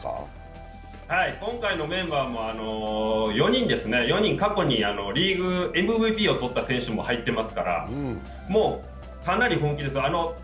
今回のメンバーも４人、過去にリーグＭＶＰを取った選手も入っていますからもう、かなり本気です。